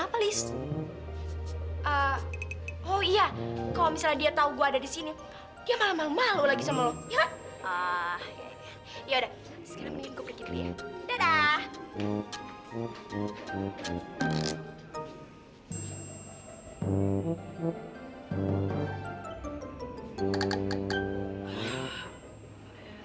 ya ya ya yaudah sekarang mendingan gue pergi dulu ya dadah